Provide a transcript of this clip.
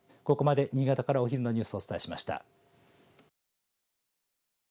ここまで新潟からお昼のニュースをお伝えしました。